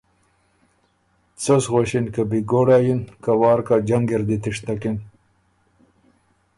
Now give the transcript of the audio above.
څۀ سو غؤݭِن که بهګوړا یِن، که وار کَۀ جنګ اِر دی تِشتکِن۔